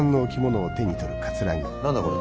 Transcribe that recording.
何だこれ。